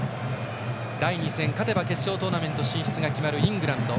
第２戦、勝てば決勝トーナメント進出が決まるイングランド。